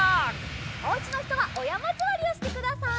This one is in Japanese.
おうちのひとはおやまずわりをしてください。